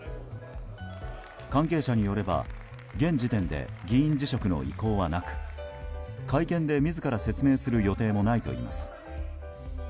関係者によれば現時点で議員辞職の意向はなく会見で自ら説明する予定もないといいます。